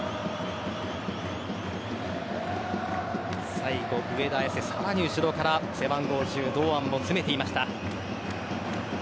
最後、上田綺世サラに後ろから背番号１０堂安も詰めていました。